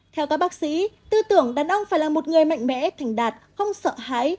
theo các bác sĩ tư tưởng đàn ông phải là một người mạnh mẽ thành đạt không sợ hãi